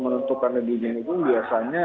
menentukannya di ujung ujung biasanya